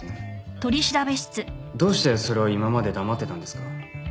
どうしてそれを今まで黙ってたんですか？